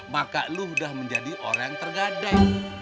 maka lo udah menjadi orang yang tergadai